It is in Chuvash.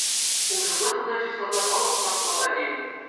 Уншӑнах ӑна чысласа палӑк лартмалла тейӗн.